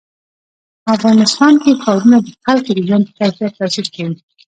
په افغانستان کې ښارونه د خلکو د ژوند په کیفیت تاثیر کوي.